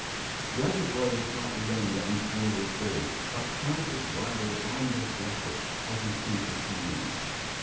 The other boy was slightly younger and smaller of build, but quite as wiry and athletic as his two companions.